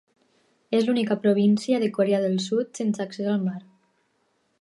És l'única província de Corea del Sud sense accés al mar.